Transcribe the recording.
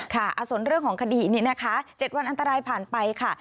ค่ะส่วนเรื่องของคดีนี้นะคะ๗วันอันตรายผ่านไปค่ะ